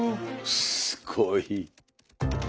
すごい。